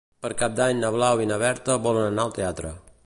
Per Cap d'Any na Blau i na Berta volen anar al teatre.